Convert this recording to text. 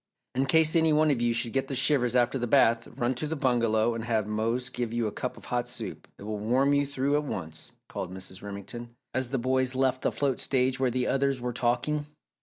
"In case any one of you should get the shivers after the bath, run to the bungalow and have Mose give you a cup of hot soup it will warm you through at once," called Mrs. Remington, as the boys left the float stage where the others were talking.